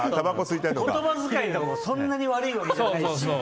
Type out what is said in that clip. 言葉遣いとかもそんなに悪いわけじゃないし。